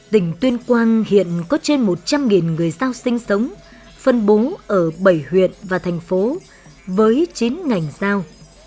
tỉnh tuyên quang hiện có trên một trăm linh người giao sinh sống phân bố ở bảy huyện và thành phố với chín ngành giao